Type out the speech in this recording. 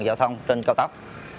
giao thông trên cao tốc